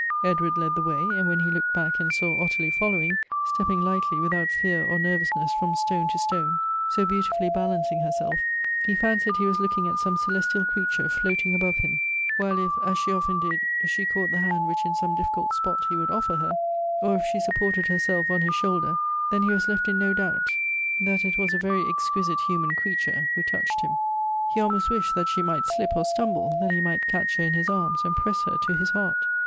Edward led the way ; and when he looked back and saw Ottilie following, stepping lightly, without fear or nervousness, from stone to stone, so beautifully balancing herself, he fancied he was look^ ing at some celestial creature floating above him ; while if, as she often did, she caught the hand which in some difficult spot he would offer her, or if she supported her self on his shoulder, then he was left in no doubt that it 64 Goethe's •was a very exquisite human creature who touched him. He almost wished that she might slip or stumble, that ho might catch her in his aims and press her to his heart.